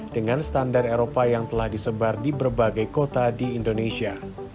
dengan standar eropa yang telah disebar di berbagai kota di indonesia